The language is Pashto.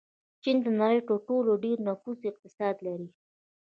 چین د نړۍ تر ټولو ډېر نفوس اقتصاد لري.